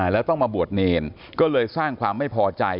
แล้วต้องมาบวชเนรก็เลยสร้างความไม่พอใจ